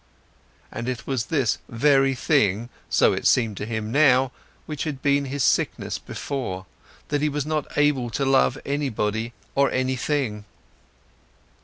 And it was this very thing, so it seemed to him now, which had been his sickness before, that he was not able to love anybody or anything.